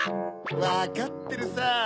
わかってるさ。